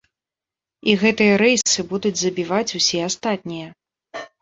І гэтыя рэйсы будуць забіваць усе астатнія.